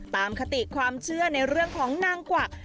คติความเชื่อในเรื่องของนางกวัก